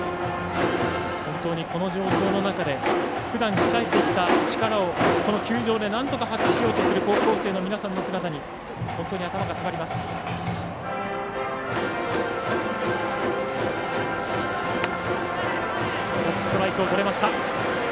この状況の中でふだん鍛えてきた力をこの球場でなんとか発揮しようという高校生の皆さんの姿に本当に頭が下がります。